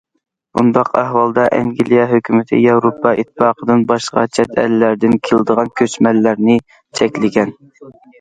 بۇنداق ئەھۋالدا ئەنگلىيە ھۆكۈمىتى ياۋروپا ئىتتىپاقىدىن باشقا چەت ئەللەردىن كېلىدىغان كۆچمەنلەرنى چەكلىگەن.